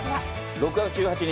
６月１８日